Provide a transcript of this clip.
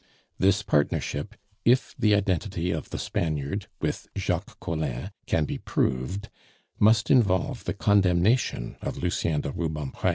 "This partnership, if the identity of the Spaniard with Jacques Collin can be proved, must involve the condemnation of Lucien de Rubempre.